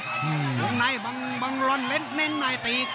หลวงในบังรอนเล่นในไปอีก